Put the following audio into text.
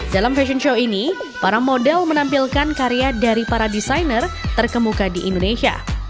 dalam fashion show ini para model menampilkan karya dari para desainer terkemuka di indonesia